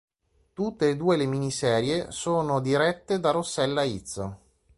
Tutte e due le miniserie sono dirette da Rossella Izzo.